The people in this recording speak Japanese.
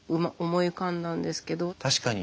確かに。